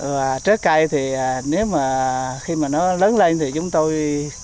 và trái cây thì nếu mà khi mà nó lớn lên thì chúng tôi